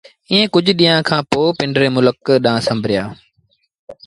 ائيٚݩ ڪجھ ڏيݩهآݩ کآݩ پو پنڊري ملڪ ڏآݩهݩ سنبريآ